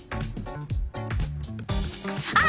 あ！